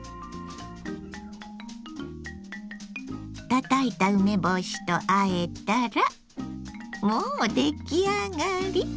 たたいた梅干しとあえたらもう出来上がり。